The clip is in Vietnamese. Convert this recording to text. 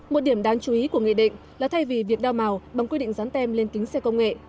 một điểm đáng chú ý của nghị định là thay vì việc đao màu bằng quy định dán tem lên kính xe công nghệ